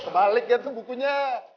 kebalik lihat tuh bukunya